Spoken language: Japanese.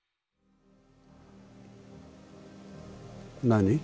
何？